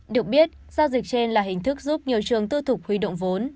được biết giao dịch trên là hình thức giúp nhiều trường tư thục huy động vốn